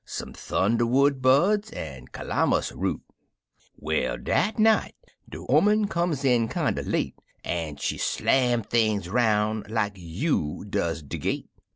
Some thunderwood buds an' calamus root Well, dat night de 'oman come in kinder late, An' she slam things 'roun' like^'OM does de gate.